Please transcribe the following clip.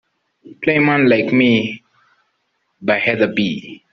Play Man Like Me by heather b.